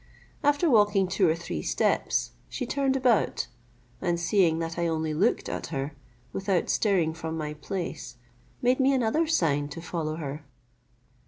After walking two or three steps, she turned about, and seeing that I only looked at her, without stirring from my place, made me another sign to follow her.